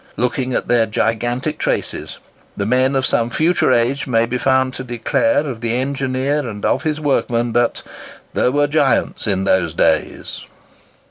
Looking at their gigantic traces, the men of some future age may be found to declare of the engineer and of his workmen, that "there were giants in those days."